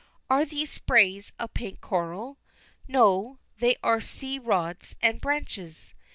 Are these sprays of pink coral? No, they are sea rods and branches.